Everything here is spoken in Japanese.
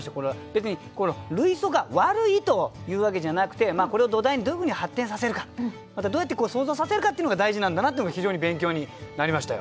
別に類想が悪いというわけじゃなくてこれを土台にどういうふうに発展させるかまたどうやって想像させるかっていうのが大事なんだなっていうのが非常に勉強になりましたよ。